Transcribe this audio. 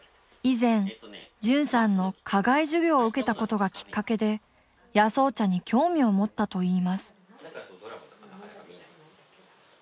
以前絢さんの課外授業を受けたことがきっかけで野草茶に興味を持ったといいます。